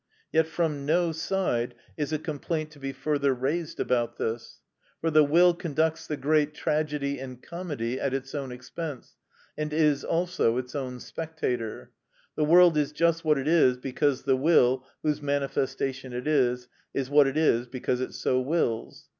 Yet from no side is a complaint to be further raised about this; for the will conducts the great tragedy and comedy at its own expense, and is also its own spectator. The world is just what it is because the will, whose manifestation it is, is what it is, because it so wills.